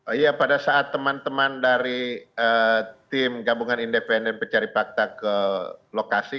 iya pada saat teman teman dari tim gabungan independen percari pakta ke lokasi